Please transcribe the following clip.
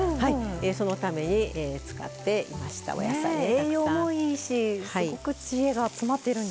そのために使っていましたお野菜をたくさん。